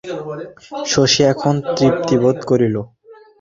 শশী এখন তৃপ্তি বোধ করিল।